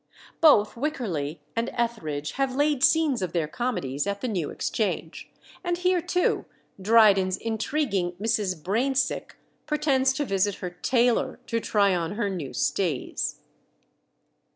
Both Wycherly and Etherege have laid scenes of their comedies at the New Exchange; and here, too, Dryden's intriguing Mrs. Brainsick pretends to visit her "tailor" to try on her new stays.